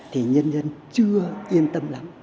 thì nhân dân chưa yên tâm lắm